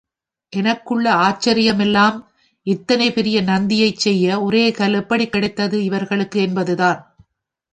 எனக்குள்ள ஆச்சரியமெல்லாம் இத்தனை பெரிய நந்தியைச் செய்ய ஒரே கல் எப்படிக் கிடைத்தது இவர்களுக்கு என்பதுதான்.